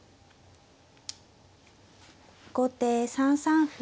後手３三歩。